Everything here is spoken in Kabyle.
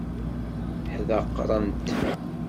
Ḥdaqrent.